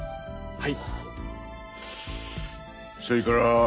はい。